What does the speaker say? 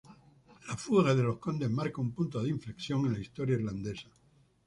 La Fuga de los Condes marca un punto de inflexión en la historia irlandesa.